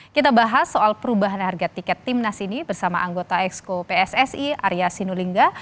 kita bahas soal perubahan harga tiket timnas ini bersama anggota exco pssi arya sinulinga